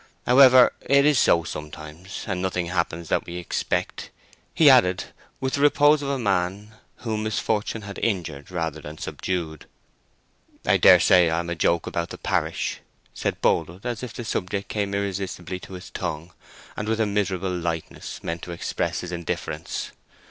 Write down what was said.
"However, it is so sometimes, and nothing happens that we expect," he added, with the repose of a man whom misfortune had inured rather than subdued. "I daresay I am a joke about the parish," said Boldwood, as if the subject came irresistibly to his tongue, and with a miserable lightness meant to express his indifference.